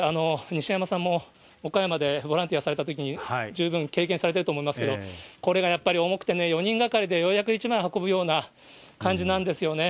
西山さんも岡山でボランティアされたときに、十分経験されてると思いますけれども、これがやっぱり重くてね、４人がかりでようやく１枚運ぶような感じなんですよね。